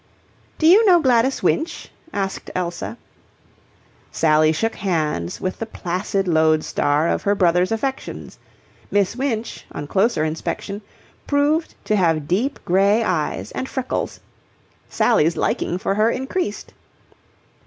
"Do you know Gladys Winch?" asked Elsa. Sally shook hands with the placid lodestar of her brother's affections. Miss Winch, on closer inspection, proved to have deep grey eyes and freckles. Sally's liking for her increased.